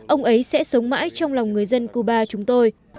ông ấy sẽ sống mãi trong lòng người dân cuba chúng tôi